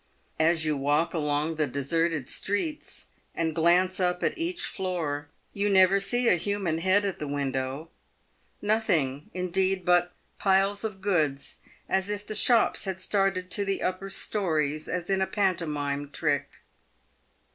As you walk along the deserted streets, and glance up at each floor, you never see a human head at the windows ; nothing, indeed, but piles of goods, as if the shops had started to the upper stories as in a pantomime trick.